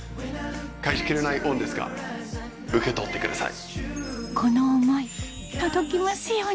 返し切れない恩ですが受け取ってください。